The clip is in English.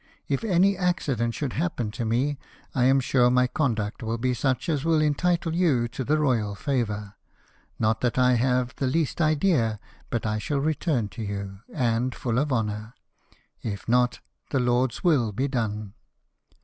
If any accident should happen to me, I am sure my conduct will be such as will entitle you to the royal favour — not that I have the least idea but I shall return to you, and full of honour ;— if not, the Lord's will be done.